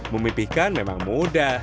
memipihkan memang mudah